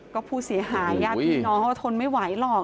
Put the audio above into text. ก็ผู้เสียหายยาติดนเขาทนไม่ไหวหรอก